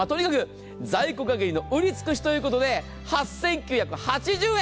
在庫限りの売り尽くしということで８９８０円。